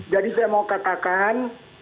jadi saya mau katakan